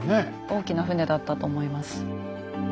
大きな船だったと思います。